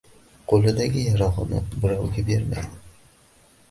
Qo’lidagi yarog’ini birovga bermaydi.